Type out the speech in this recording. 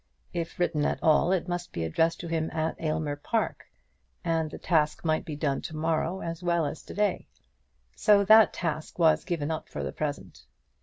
If written at all, it must be addressed to him at Aylmer Park, and the task might be done to morrow as well as to day. So that task was given up for the present.